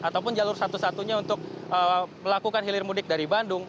ataupun jalur satu satunya untuk melakukan hilir mudik dari bandung